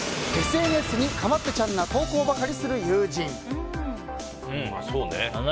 ＳＮＳに、かまってちゃんな投稿ばかりする友人。